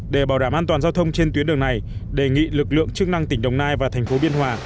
để bảo đảm an toàn giao thông trên tuyến đường này đề nghị lực lượng chức năng tỉnh đồng nai và thành phố biên hòa